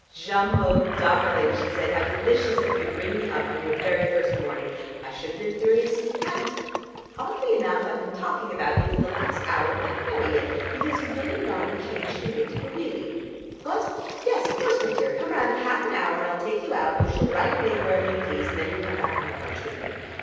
"Jumbo darling," she said. "How delicious of you to ring me up on your very first morning. I should have been furious if you hadn't. Oddly enough I've been talking about you for the last hour without knowing it, because you've been and gone and changed your name to Bareilly. What? Yes, of course, my dear. Come round in half an hour, and I'll take you out, and you shall write your name wherever you please, and then you'll come back and have lunch with me.